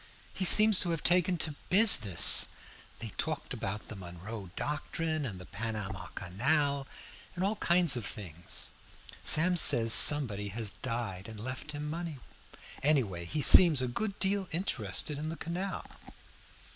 He seems to have taken to business. They talked about the Monroe doctrine and the Panama canal, and all kinds of things. Sam says somebody has died and left him money. Anyway, he seems a good deal interested in the canal."